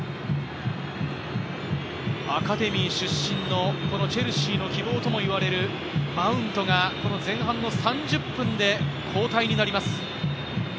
アカデミー出身のチェルシーの希望ともいわれるマウントが前半の３０分で交代になります。